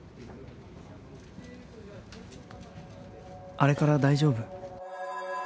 「あれから大丈夫？